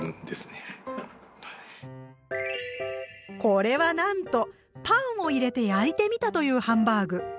これはなんとパンを入れて焼いてみたというハンバーグ。